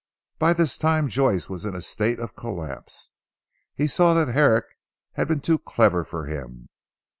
By this time Joyce was in a state of collapse. He saw that Herrick had been too clever for him.